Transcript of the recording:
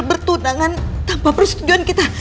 bertunangan tanpa persetujuan kita